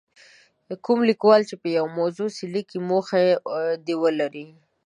کوم لیکوال چې په یوې موضوع څه لیکي موخه دې ولري.